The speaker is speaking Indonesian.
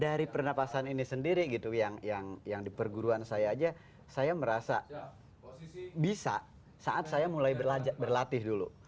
dari pernapasan ini sendiri gitu yang di perguruan saya aja saya merasa bisa saat saya mulai berlatih dulu